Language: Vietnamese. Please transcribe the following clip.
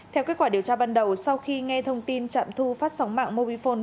theo kết quả điều tra ban đầu sau khi nghe thông tin trạm thu phát sóng mạng mobifone